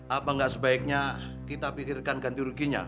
apa nggak sebaiknya kita pikirkan ganti ruginya